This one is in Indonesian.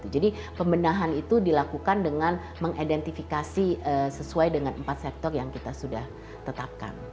jadi pembenahan itu dilakukan dengan mengidentifikasi sesuai dengan empat sektor yang kita sudah tetapkan